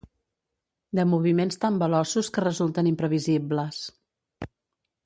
De moviments tan veloços que resulten imprevisibles.